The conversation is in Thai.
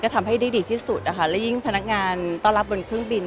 ทำให้ได้ดีที่สุดนะคะและยิ่งพนักงานต้อนรับบนเครื่องบิน